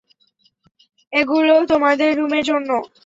এগুলো তোমাদের রুমের জন্য।